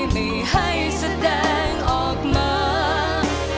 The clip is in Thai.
ไม่ให้แสดงออกมา